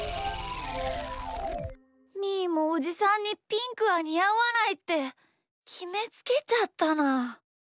みーもおじさんにピンクはにあわないってきめつけちゃったな。